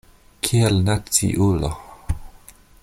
Kiel naciulo.